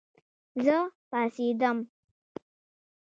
زه پاڅېدم